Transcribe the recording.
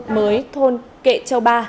mới thôn kệ châu ba